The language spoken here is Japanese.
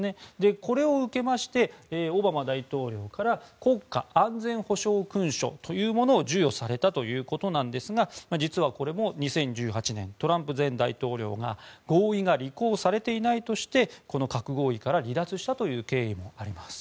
これを受けましてオバマ大統領から国家安全保障勲章というものを授与されたということですが実は、これも２０１８年トランプ前大統領が合意が履行されていないとしてこの核合意から離脱したという経緯もあります。